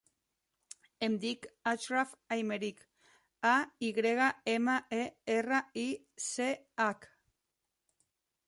Em dic Achraf Aymerich: a, i grega, ema, e, erra, i, ce, hac.